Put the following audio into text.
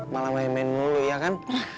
malah main main dulu ya kan